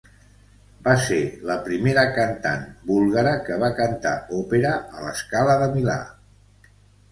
Va ser la primera cantant búlgara que va cantar òpera a La Scala de Milà.